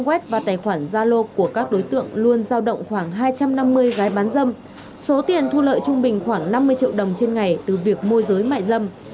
quét và tài khoản gia lô của các đối tượng luôn giao động khoảng hai trăm năm mươi gái bán dâm số tiền thu lợi trung bình khoảng năm mươi triệu đồng trên ngày từ việc môi giới mại dâm